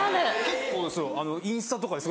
結構インスタとかで。